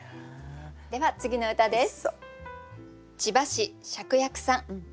では次の歌です。